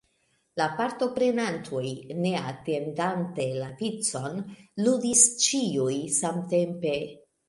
La partoprenantoj, ne atendante la vicon, ludis ĉiuj samtempe.